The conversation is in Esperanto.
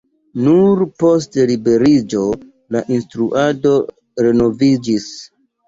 Nur post liberiĝo la instruado renoviĝis.